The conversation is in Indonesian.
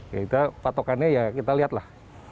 ya kita patokannya ya kita lihat lah